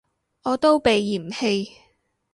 我都被嫌棄